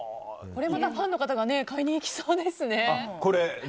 これまた、ファンの方が買いに行きそうですね。